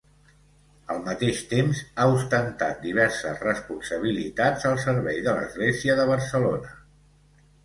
Al mateix temps, ha ostentat diverses responsabilitats al servei de l'Església de Barcelona.